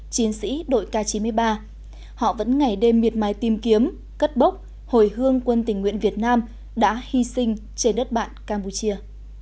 chiến sĩ đội k chín mươi ba họ vẫn ngày đêm miệt mài tìm kiếm cất bốc hồi hương quân tình nguyện việt nam đã hy sinh trên đất bạn campuchia